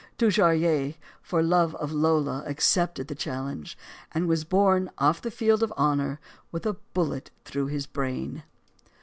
Dujarrier, for love of Lola, accepted the challenge and was borne off the field of honor with a bullet through his brain.